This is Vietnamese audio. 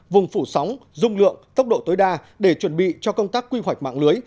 vùng phủ sóng dung lượng tốc độ tối đa để chuẩn bị cho công tác quy hoạch mạng lưới